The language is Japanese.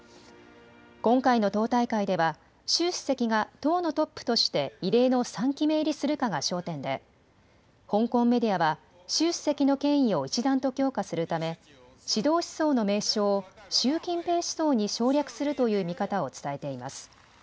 今回の党大会では習主席が党のトップとして異例の３期目入りするかが焦点で香港メディアは習主席の権威を一段と強化するため指導思想の名称を習近平思想に省略するという見方を伝えています。